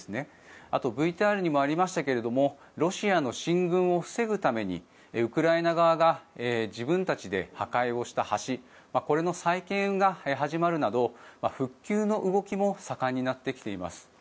あと、ＶＴＲにもありましたがロシアの進軍を防ぐためにウクライナ側が自分たちで破壊をした橋これの再建が始まるなど復旧の動きも盛んになってきています。